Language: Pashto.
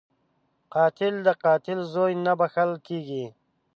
قاتل د قاتل زوی نه بخښل کېږي